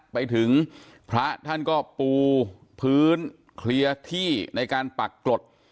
ไปถึงพระท่านก็ปูพื้นเคลียร์ที่ในการปักกรด